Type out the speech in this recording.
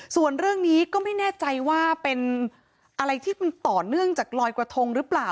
ส่วนเรื่องนี้ก็ไม่แน่ใจว่าเป็นอะไรที่มันต่อเนื่องจากลอยกระทงหรือเปล่า